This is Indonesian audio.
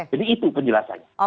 jadi itu penjelasannya